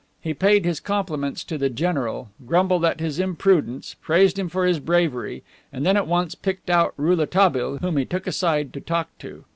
He paid his compliments to the general, grumbled at his imprudence, praised him for his bravery, and then at once picked out Rouletabille, whom he took aside to talk to.